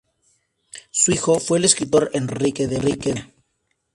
Su hijo fue el escritor Enrique de María.